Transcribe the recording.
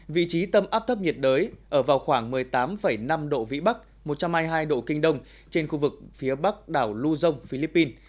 vị trí tâm áp thấp nhiệt đới ở vào khoảng một mươi tám năm độ vĩ bắc một trăm hai mươi hai độ kinh đông trên khu vực phía bắc đảo luzon philippines